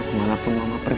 kemana pun mama pergi